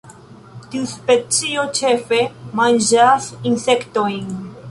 Tiu specio ĉefe manĝas insektojn.